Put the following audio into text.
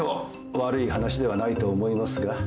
悪い話ではないと思いますが。